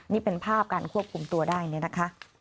นี่เป็นภาพการควบคุมตัวได้เนี่ยนะคะ